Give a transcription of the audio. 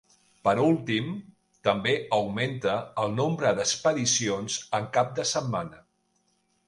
Per últim, també augmenta el nombre d'expedicions en cap de setmana.